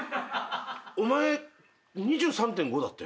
お前２３．５だったよな？